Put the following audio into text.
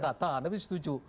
ada catatan tapi setuju